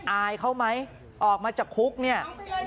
อายเขาไหมออกมาจากคุกเนี่ย